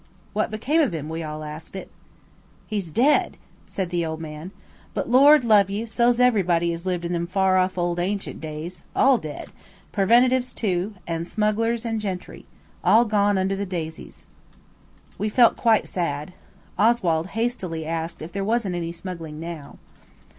"What became of him?" We all asked it. "He's dead," said the old man. "But, Lord love you, so's everybody as lived in them far off old ancient days–all dead–Preventives too–and smugglers and gentry: all gone under the daisies." We felt quite sad. Oswald hastily asked if there wasn't any smuggling now.